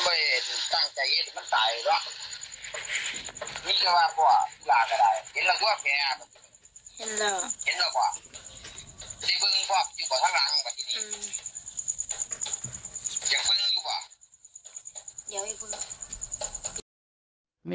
เห็นเรากว่าในพื้งครับอยู่ต้างทั้งที่นี่